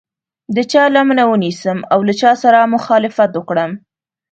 د چا لمنه ونیسم او له چا سره مخالفت وکړم.